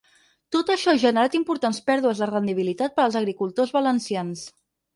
Tot això ha generat importants ‘pèrdues de rendibilitat per als agricultors valencians’.